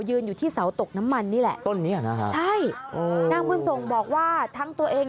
ยืนอยู่ที่เสาตกน้ำมันนี่แหละใช่นางบุญส่งบอกว่าทั้งตัวเอง